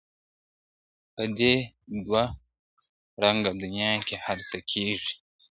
په دې دوه رنګه دنیا کي هرڅه کیږي ,